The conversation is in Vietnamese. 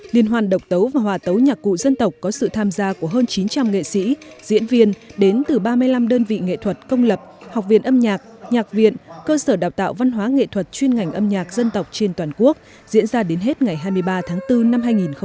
liên hoan độc tấu và hòa tấu nhạc cụ dân tộc có sự tham gia của hơn chín trăm linh nghệ sĩ diễn viên đến từ ba mươi năm đơn vị nghệ thuật công lập học viện âm nhạc nhạc viện cơ sở đào tạo văn hóa nghệ thuật chuyên ngành âm nhạc dân tộc trên toàn quốc diễn ra đến hết ngày hai mươi ba tháng bốn năm hai nghìn một mươi chín